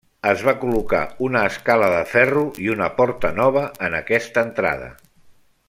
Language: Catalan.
Es va col·locar una escala de ferro i una porta nova en aquesta entrada.